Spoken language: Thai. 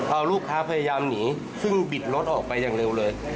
เอาลูกค้าพยายามหนีซึ่งบิดรถออกไปอย่างเร็วเลย